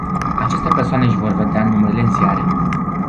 Aceste persoane își vor vedea numele în ziare?